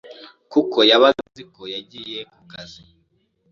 kuko yabaga azi ko yagiye ku kazi